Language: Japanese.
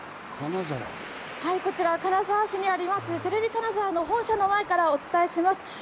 こちら金沢市にあります、テレビ金沢の本社の前からお伝えします。